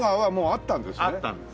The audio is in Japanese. あったんです。